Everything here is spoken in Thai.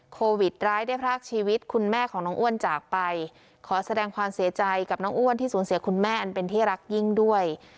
โควิดร้ายได้พรากชีวิตคุณแม่ของน้องอ้วนจากไปขอแสดงความเสียใจกับน้องอ้วนที่สูญเสียคุณแม่อันเป็นที่รักยิ่งด้วย